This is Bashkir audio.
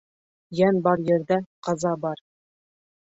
Йән бар ерҙә ҡаза бар.